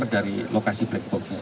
dari lokasi blackbook nya